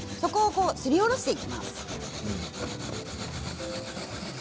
すりおろしていきます。